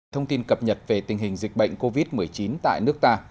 thông tin cập nhật về tình hình dịch bệnh covid một mươi chín tại nước ta